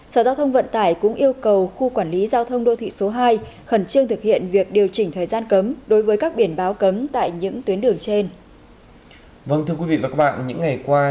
sở giao thông vận tải cũng yêu cầu khu quản lý giao thông đô thị số hai khẩn trương thực hiện việc điều chỉnh thời gian cấm đối với các biển báo cấm tại những tuyến đường trên